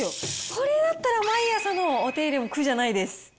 これだったら毎朝のお手入れも苦じゃないです。